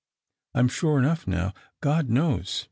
I'm sure enough now — God knows